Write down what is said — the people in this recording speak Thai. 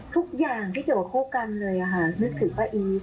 ทุกอย่างที่เจอกับคู่กันเลยนึกถึงป้าอีฟ